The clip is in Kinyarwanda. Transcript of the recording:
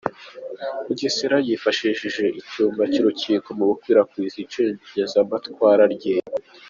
"Mugesera yifashisha icyumba cy’Urukiko mu gukwirakwiza icengezamatwara rye"